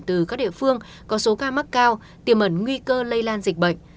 từ các địa phương có số ca mắc cao tiềm ẩn nguy cơ lây lan dịch bệnh